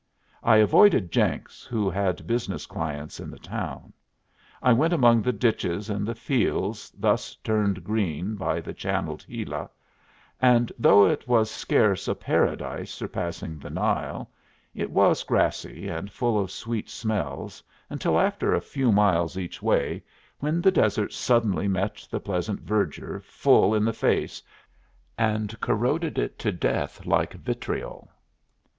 I avoided Jenks, who had business clients in the town. I went among the ditches and the fields thus turned green by the channelled Gila; and though it was scarce a paradise surpassing the Nile, it was grassy and full of sweet smells until after a few miles each way, when the desert suddenly met the pleasant verdure full in the face and corroded it to death like vitriol.